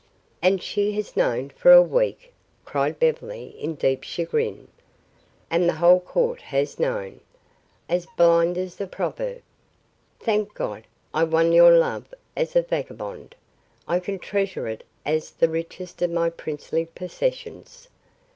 "And she has known for a week?" cried Beverly in deep chagrin. "And the whole court has known." "I alone was blind?" "As blind as the proverb. Thank God, I won your love as a vagabond. I can treasure it as the richest of my princely possessions.